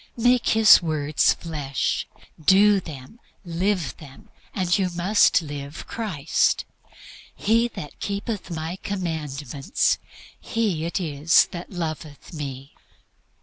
Make His words flesh; do them, live them, and you must live Christ. "He that keepeth My Commandments, he it is that loveth Me."